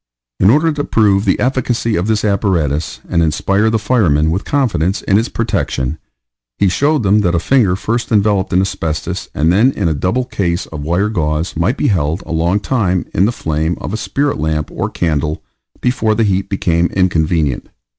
In order to prove the efficacy of this apparatus, and inspire the firemen with confidence in its protection, he showed them that a finger first enveloped in asbestos, and then in a double case of wire gauze, might be held a long time in the flame of a spirit lamp or candle before the heat became inconvenient.